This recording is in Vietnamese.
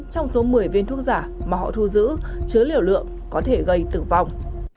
trong số một mươi viên thuốc giả mà họ thu giữ chứa liều lượng có thể gây tử vong